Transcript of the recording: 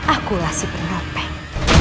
akulah si penopeng